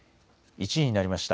１時になりました。